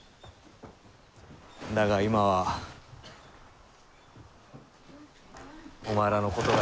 だが今はお前らのことが。